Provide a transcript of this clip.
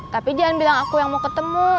tapi jangan bilang aku yang mau ketemu